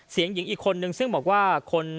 หญิงอีกคนนึงซึ่งบอกว่าคน